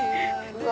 うわ